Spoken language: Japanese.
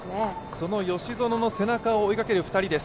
その吉薗の背中を追いかける２人です。